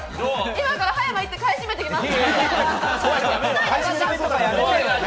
今から葉山行って買い占めてきます！